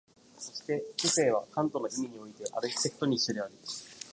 そして知性はカントの意味においてアルヒテクトニッシュである。